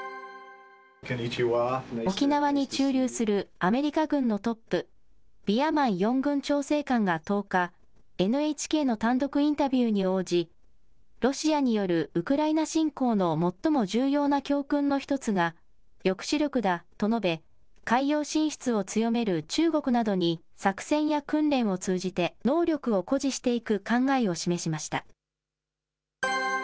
沖縄に駐留するアメリカ軍のトップ、ビアマン四軍調整官が１０日、ＮＨＫの単独インタビューに応じ、ロシアによるウクライナ侵攻の最も重要な教訓の一つが、抑止力だと述べ、海洋進出を強める中国などに作戦や訓練を通じて、能力を誇示していく考えを示しました。